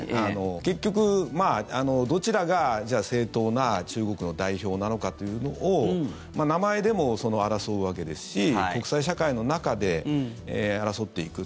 結局、どちらがじゃあ正当な中国の代表なのかというのを名前でも争うわけですし国際社会の中で争っていく。